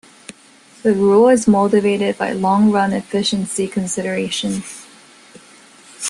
The rule is motivated by long-run efficiency considerations.